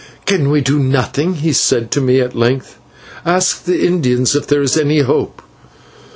"Can we do nothing?" he said to me at length. "Ask the Indians if there is any hope."